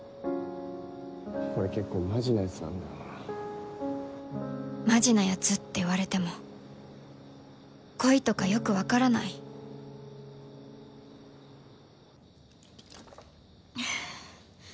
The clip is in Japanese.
これ結構マジなやつなんだよなマジなやつって言われても恋とかよく分からないあぁ。